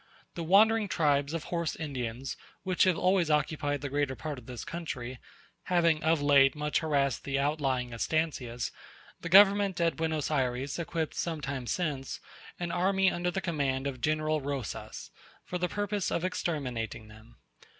The wandering tribes of horse Indians, which have always occupied the greater part of this country, having of late much harassed the outlying estancias, the government at Buenos Ayres equipped some time since an army under the command of General Rosas for the purpose of exterminating them.